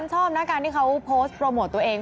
ชอบนะการที่เขาโพสต์โปรโมทตัวเอง